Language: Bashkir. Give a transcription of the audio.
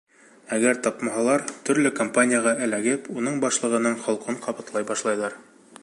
Әгәр тапмаһалар, төрлө компанияға эләгеп, уның башлығының холҡон ҡабатлай башлайҙар.